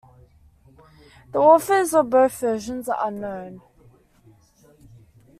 The authors of both versions are unknown.